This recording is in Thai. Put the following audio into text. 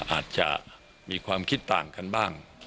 อาจจะมีความคิดต่างกันบ้าง